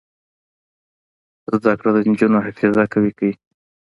زده کړه د نجونو حافظه قوي کوي.